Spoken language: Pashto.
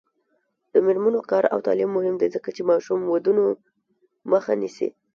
د میرمنو کار او تعلیم مهم دی ځکه چې ماشوم ودونو مخه نیسي.